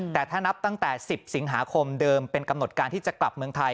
แต่ถ้านับตั้งแต่๑๐สิงหาคมเดิมเป็นกำหนดการที่จะกลับเมืองไทย